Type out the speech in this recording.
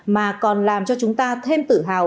mà còn làm cho chúng ta thêm tự hào